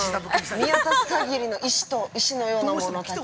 見渡す限りの石と石のようなものたち。